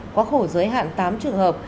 có khổ giới hạn tám trường hợp